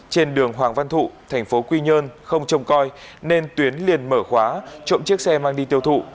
trên đường hoàng văn thụ tp quy nhơn không trồng coi nên tuyến liền mở khóa trộm chiếc xe mang đi tiêu thụ